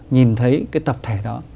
nhìn thấy cái tập thể đó